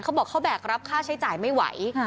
เขาบอกเขาแบกรับค่าใช้จ่ายไม่ไหว